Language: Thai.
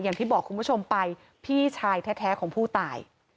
อย่างที่บอกคุณผู้ชมไปพี่ชายแท้ของผู้ตาย